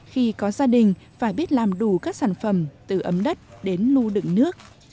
khi có gia đình phải biết làm đủ các sản phẩm từ ấm đất đến lưu đựng nước